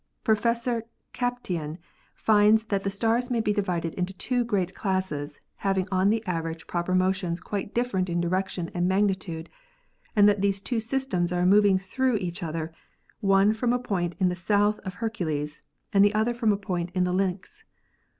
Professor Kapteyn finds that the stars may be divided into two great classes having on the average proper motions quite different in direction and magnitude, and that these two systems are moving through each other, one from a point in the south of Hercules and the other from a point in the Lynx.